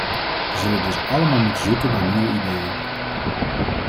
We zullen dus allemaal moeten zoeken naar nieuwe ideeën.